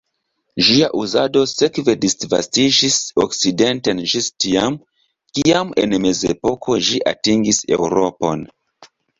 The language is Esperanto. Ĝia uzado sekve disvastiĝis okcidenten ĝis tiam, kiam en Mezepoko ĝi atingis Eŭropon.